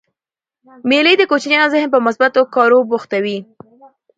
مېلې د کوچنيانو ذهن په مثبتو کارو بوختوي.